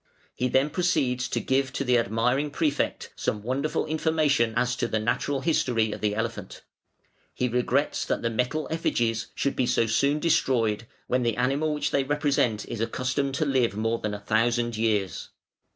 He then proceeds to give to the admiring Prefect some wonderful information as to the natural history of the elephant. He regrets that the metal effigies should be so soon destroyed, when the animal which they represent is accustomed to live more than a thousand years.